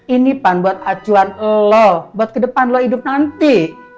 inipan buat acuan elo buat kedepan elo hidup nanti